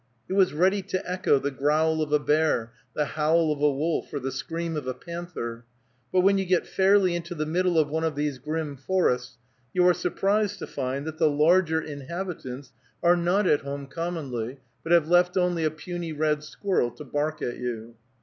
It was ready to echo the growl of a bear, the howl of a wolf, or the scream of a panther; but when you get fairly into the middle of one of these grim forests, you are surprised to find that the larger inhabitants are not at home commonly, but have left only a puny red squirrel to bark at you.